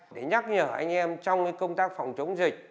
để nhắc nhở anh em trong công tác phòng chống dịch